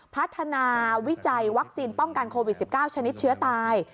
พัฒนาวิจัยวัคซีนป้องกันโควิด๑๙ชนิดเชื้อตาย